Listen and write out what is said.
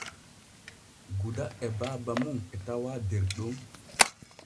Guda e baaba mum e tawaa der ɗon.